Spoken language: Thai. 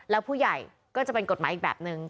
แล้วผู้ใหญ่ก็จะเป็นกฎหมายอีกแบบนึง